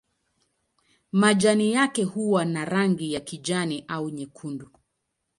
Majani yake huwa na rangi ya kijani au nyekundu.